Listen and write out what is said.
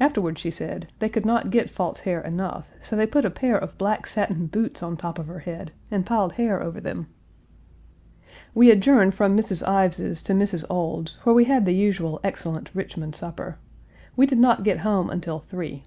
Afterward she said, they could not get false hair enough, so they put a pair of black satin boots on top of her head and piled hair over them. Page 286 We adjourned from Mrs. Ives's to Mrs. Ould's, where we had the usual excellent Richmond supper. We did not get home until three.